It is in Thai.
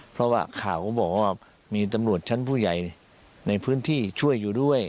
เพราะว่าข่าวก็บอกว่ามีตำรวจชั้นผู้ใหญ่ในพื้นที่ช่วยอยู่ด้วย